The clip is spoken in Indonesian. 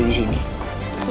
kamu istirahat dulu di sini